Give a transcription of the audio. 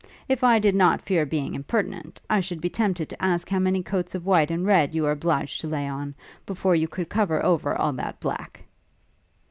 If I did not fear being impertinent, I should be tempted to ask how many coats of white and red you were obliged to lay on, before you could cover over all that black.'